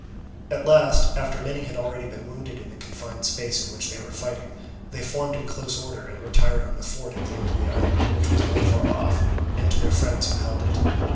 At last, after many had been already wounded in the confined space in which they were fighting, they formed in close order and retired on the fort at the end of the island, which was not far off, and to their friends who held it.